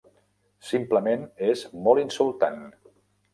Simplement és molt insultant.